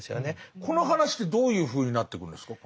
この話ってどういうふうになっていくんですか？